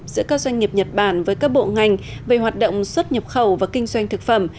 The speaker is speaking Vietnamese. giữa các doanh nghiệp nhật bản với các bộ ngành về hoạt động xuất nhập khẩu và kinh doanh thực phẩm